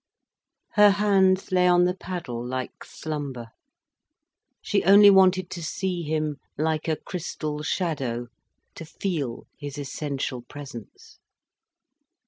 Her hands lay on the paddle like slumber, she only wanted to see him, like a crystal shadow, to feel his essential presence.